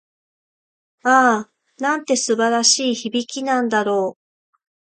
ああ、なんて素晴らしい響きなんだろう。